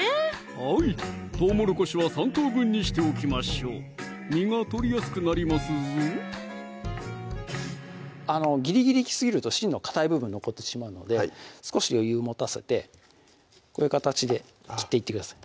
はいとうもろこしは３等分にしておきましょう実が取りやすくなりますぞギリギリいきすぎると芯のかたい部分残ってしまうので少し余裕持たせてこういう形で切っていってください